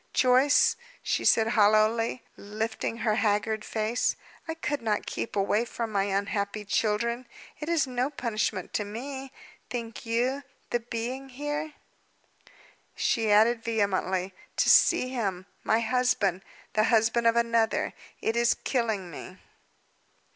"Joyce," she said, hollowly, lifting her haggard face, "I could not keep away from my unhappy children. Is it no punishment to me, think you, the being here?" she added, vehemently. "To see him my husband the husband of another! It is killing me."